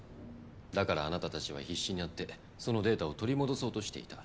だからあなたたちは必死になってそのデータを取り戻そうとしていた。